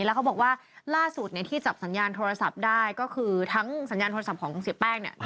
แล้วเขาบอกว่าล่าสุดที่จับสัญญาณโทรศัพท์ได้ก็คือทั้งสัญญาณโทรศัพท์ของเสียแป้งเนี่ย